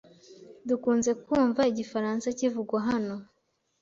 Dukunze kumva igifaransa kivugwa hano.